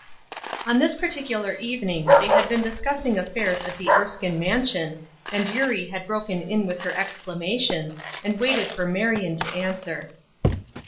On this particular evening they had been dis cussing affairs at the Erskine mansion, and Eurie had broken in with her exclamation, and waited for Marion to answer.